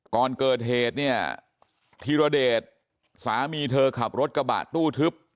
ก่อนเกิดเหตุเนี่ยธีรเดชสามีเธอขับรถกระบะตู้ทึบ